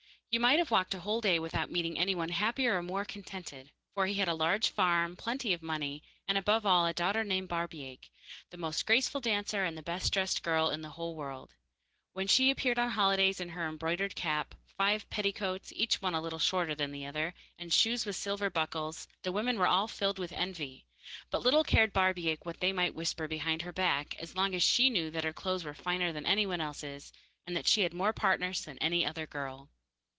You might have walked a whole day without meeting anyone happier or more contented, for he had a large farm, plenty of money, and above all, a daughter called Barbaik, the most graceful dancer and the best dressed girl in the whole country side. When she appeared on holidays in her embroidered cap, five petticoats, each one a little shorter than the other, and shoes with silver buckles, the women were all filled with envy, but little cared Barbaik what they might whisper behind her back as long as she knew that her clothes were finer than anyone else's and that she had more partners than any other girl.